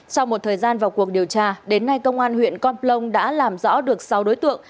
sau một thời gian vào cuộc điều tra đến nay công an huyện con plong đã làm rõ được sáu đối tượng